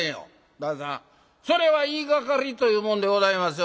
旦さんそれは言いがかりというもんでございますよ。